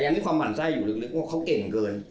ยังมีความหมั่นไส้อยู่ลึกเพราะเขาเก่งเกิน